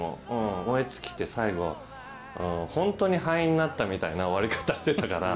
燃え尽きて最後本当に灰になったみたいな終わり方してたから。